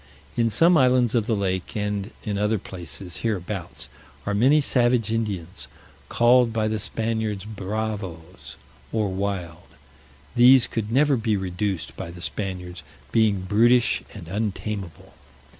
In some islands of the lake, and in other places hereabouts, are many savage Indians, called by the Spaniards bravoes, or wild: these could never be reduced by the Spaniards, being brutish, and untameable.